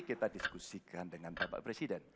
kita diskusikan dengan bapak presiden